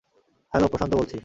Hello, Prashant বলছি।